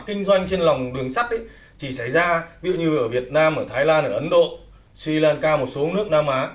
quanh trên lòng đường sắt ấy chỉ xảy ra ví dụ như ở việt nam ở thái lan ở ấn độ sri lanka một số nước nam á